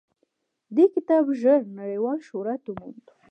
دې کتاب ژر نړیوال شهرت وموند.